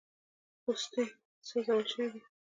پوستې سوځول سوي دي.